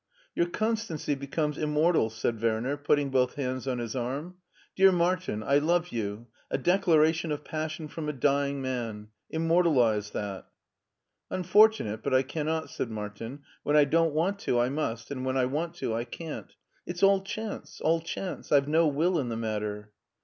Your constancy becomes immortal," said Werner, putting both hands on his arm. " Dear Martin, I love you — a declaration of passion from a dying man. Immortalize that" " Unfortunate, but I cannot," said Martin ;" when I don't want to I must, and when I want to I can't. It's all chance — all chance. I've no will in the matter."